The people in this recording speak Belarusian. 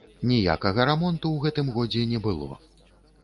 Ніякага рамонту ў гэтым годзе не было.